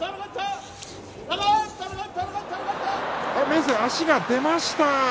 明生、足が出ました。